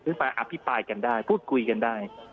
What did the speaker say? เพื่อมาอภิปรายกันได้พูดคุยกันได้